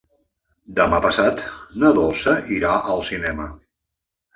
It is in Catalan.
Demà passat na Dolça irà al cinema.